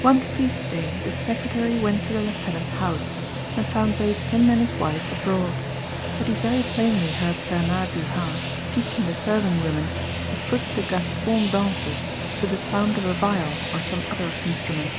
One feast day the secretary went to the Lieutenant's house, and found both him and his wife abroad; but he very plainly heard Bernard du Ha teaching the serving women to foot the Gascon dances to the sound of a viol or some other instrument.